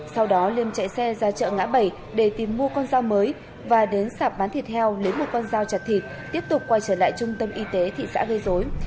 sau đó liêm chạy xe ra chợ ngã bảy để tìm mua con dao mới và đến sạp bán thịt heo lấy một con dao chặt thịt tiếp tục quay trở lại trung tâm y tế thị xã gây dối